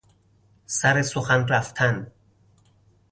سر سخن رفتن